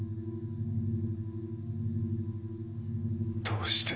どうして。